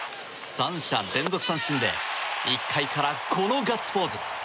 ３者連続三振で１回からこのガッツポーズ。